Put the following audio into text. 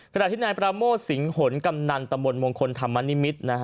ท่านายประโมศิหนษ์หลกำนันตะหมนมงคลธรรมนิมิตร